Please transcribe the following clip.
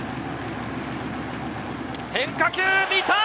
変化球！